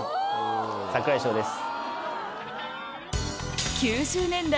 櫻井翔です。